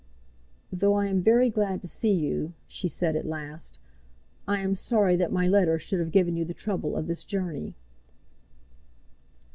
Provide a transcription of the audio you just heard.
"Though I am very glad to see you," she said, at last, "I am sorry that my letter should have given you the trouble of this journey."